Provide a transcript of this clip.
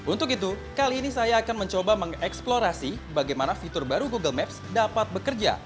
untuk itu kali ini saya akan mencoba mengeksplorasi bagaimana fitur baru google maps dapat bekerja